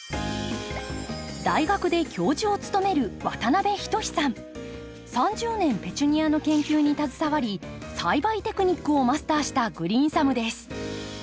大学で教授を務める３０年ペチュニアの研究に携わり栽培テクニックをマスターしたグリーンサムです。